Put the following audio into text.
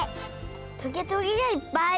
トゲトゲがいっぱい。